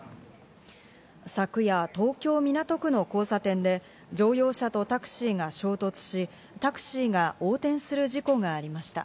昨夜、東京・港区の交差点で、乗用車とタクシーが衝突し、タクシーが横転する事故がありました。